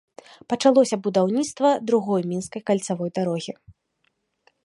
Пачалося будаўніцтва другой мінскай кальцавой дарогі.